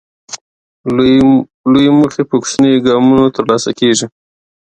لویې موخې په کوچنیو ګامونو ترلاسه کېږي.